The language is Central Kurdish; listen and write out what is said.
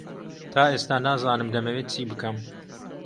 تا ئێستا نازانم دەمەوێت چی بکەم.